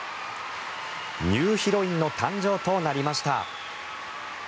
ニューヒロインの誕生となりました。